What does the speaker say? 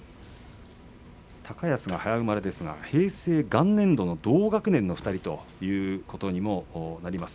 高安は早生まれですが平成元年度の同学年の２人ということにもなります。